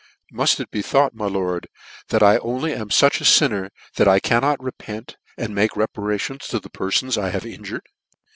" Muft it be thought, my lord, that I only am fuch a finner that I cannot repent and make reparations to the perfons I have injured